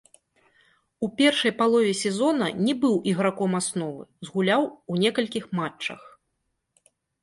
У першай палове сезона не быў іграком асновы, згуляў у некалькіх матчах.